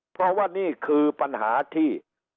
เพราะว่านี่คือปัญหาที่